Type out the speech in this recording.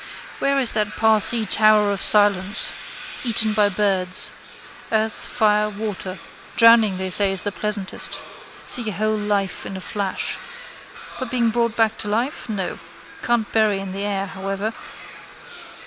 Where is that Parsee tower of silence? Eaten by birds. Earth, fire, water. Drowning they say is the pleasantest. See your whole life in a flash. But being brought back to life no. Can't bury in the air however.